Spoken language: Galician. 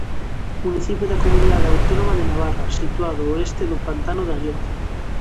Municipio da Comunidade Autónoma de Navarra, situado ao oeste do pantano de Alloz.